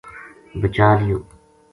بچا لیو